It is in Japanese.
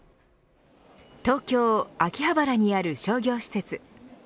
東京、秋葉原にある商業施設。